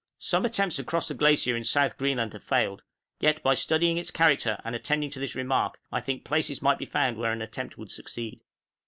Some attempts to cross the glacier in South Greenland have failed, yet, by studying its character and attending to this remark, I think places might be found where an attempt would succeed.